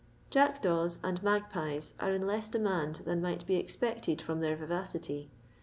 Jachdawt and Afapput are in less demand than might be expected from their vivacity.